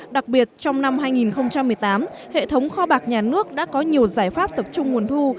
đặc biệt trong năm hai nghìn một mươi tám hệ thống kho bạc nhà nước đã có nhiều giải pháp tập trung nguồn thu